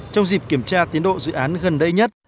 trong dịp kiểm tra tiến độ dự án gần đây nhất